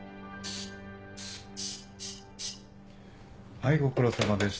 はいご苦労さまでした。